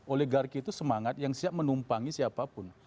oligarki itu semangat yang siap menumpangi siapapun